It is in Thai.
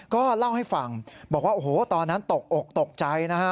ก็เล่าให้ฟังบอกว่าโอ้โหตอนนั้นตกอกตกใจนะฮะ